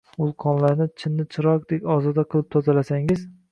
Vulqonlarni chinni-chiroqdek ozoda qilib tozalasangiz